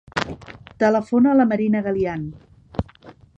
Telefona a la Marina Galian.